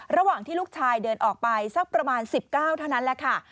ระหว่างที่ลูกชายเดินออกไปสักประมาณ๑๙เท่านั้นแหละค่ะ